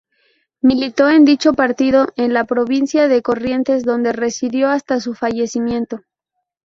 Militó en dicho partido en la provincia de Corrientes, donde residió hasta su fallecimiento.